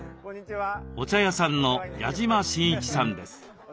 お茶屋さんの矢嶋新一さんです。